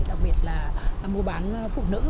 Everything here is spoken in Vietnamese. đặc biệt là mua bán phụ nữ